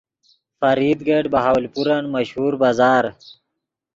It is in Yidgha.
فرید گیٹ بہاولپورن مشہور بازار